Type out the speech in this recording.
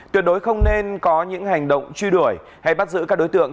tuyệt đối không nên có những hành động truy đuổi hay bắt giữ các đối tượng